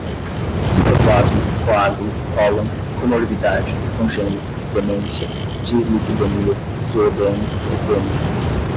citoplasma, coágulo, cólon, comorbidade, congênito, demência, dislipidemia, duodeno, edema